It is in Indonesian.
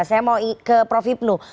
saya mau ke prof hipnu